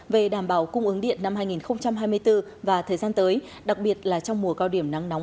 về đảm bảo cung ứng điện năm hai nghìn hai mươi bốn và thời gian tới đặc biệt là trong mùa cao điểm nắng nóng hai nghìn hai mươi bốn